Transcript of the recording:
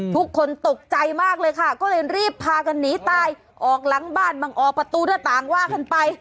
ทุกคนตกใจมากเลยค่ะก็เลยรีบพากันหนีตายออกหลังบ้านบ้างออกประตูหน้าต่างว่ากันไป